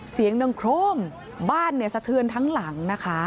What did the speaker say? เสียงดังโครมบ้านเนี่ยสะเทือนทั้งหลังนะคะ